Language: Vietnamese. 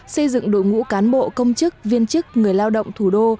xây dựng đội ngũ cán bộ công chức viên chức người lao động thủ đô